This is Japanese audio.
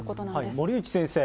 森内先生。